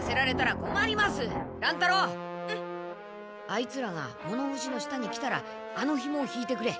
アイツらが物ほしの下に来たらあのひもを引いてくれ。